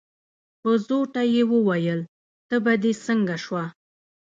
په زوټه يې وويل: تبه دې څنګه شوه؟